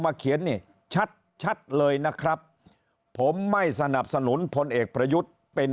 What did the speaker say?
เขียนนี่ชัดชัดเลยนะครับผมไม่สนับสนุนพลเอกประยุทธ์เป็น